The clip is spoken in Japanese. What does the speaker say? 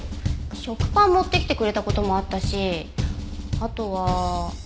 食パン持ってきてくれた事もあったしあとは。